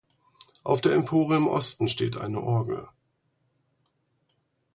Auf der Empore im Osten steht eine Orgel.